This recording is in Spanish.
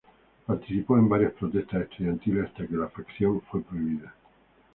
Participó en varias protestas estudiantiles hasta que la "Fracción" fue prohibida.